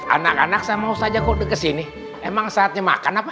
anak anak saya mau saja kok kesini emang saatnya makan apa